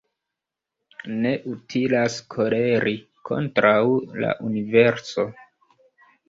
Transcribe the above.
Ne utilas koleri kontraŭ la universo